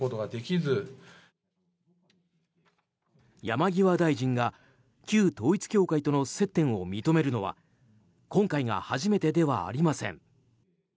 山際大臣が旧統一教会との接点を認めるのは今回が初めてではありません。